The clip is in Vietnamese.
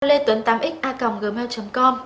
lê tuấn tám x a gmail com